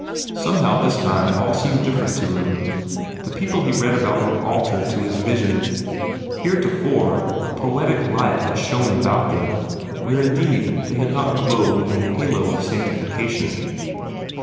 Somehow this time it all seemed different to him. The people he read about were altered to his vision. Heretofore a poetic light had shone about them, where indeed they had not glowed in a halo of sanctification.